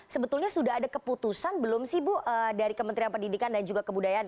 sebetulnya sudah ada keputusan belum sih bu dari kementerian pendidikan dan juga kebudayaan